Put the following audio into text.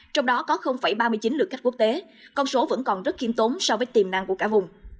trong đó có ba mươi chín lực khách quốc tế con số vẫn còn rất khiêm tốn so với tiềm năng của cả vùng